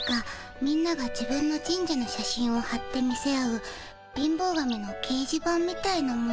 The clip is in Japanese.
みんなが自分の神社の写真をはって見せ合う貧乏神のけいじ板みたいなもんです。